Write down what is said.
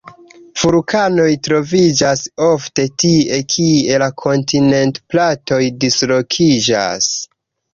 Vulkanoj troviĝas ofte tie, kie la kontinentplatoj dislokiĝas.